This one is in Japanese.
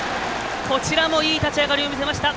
こちらもいい立ち上がりを見せました。